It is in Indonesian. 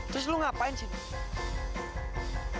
terus lo ngapain sih